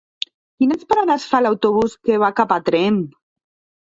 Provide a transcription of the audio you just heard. Quines parades fa l'autobús que va a Tremp?